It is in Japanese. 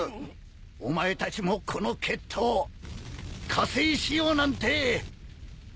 お前たちもこの決闘加勢しようなんて思うんじゃねえぜ。